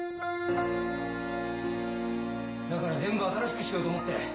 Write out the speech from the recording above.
だから全部新しくしようと思って。